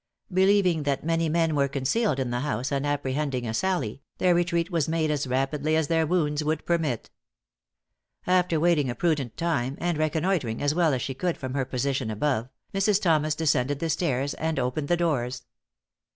Believing that many men were concealed in the house, and apprehending a sally, their retreat was made as rapidly as their wounds would permit. After waiting a prudent time, and reconnoitering as well as she could from her position above, Mrs. Thomas descended the stairs, and opened the doors.